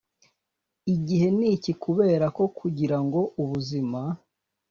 igihe ni iki kubera ko kugira ngo ubuzima